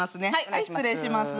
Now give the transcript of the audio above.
はい失礼します。